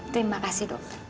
terima kasih dok